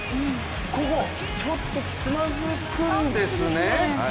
ここ、ちょっとつまずくんですね。